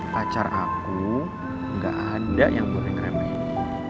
kacar aku gak ada yang boleh ngeremehin